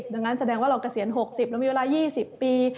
ดังนั้นแสดงว่าเราเกษียณ๖๐เรามีเวลา๒๐ปี